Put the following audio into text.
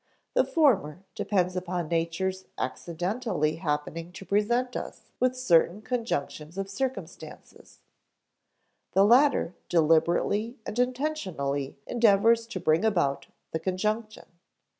The former depends upon nature's accidentally happening to present us with certain conjunctions of circumstances; the latter deliberately and intentionally endeavors to bring about the conjunction.